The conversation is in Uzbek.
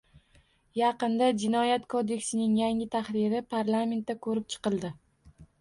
Yaqinda Jinoyat kodeksining yangi tahriri parlamentda ko‘rib chiqildi.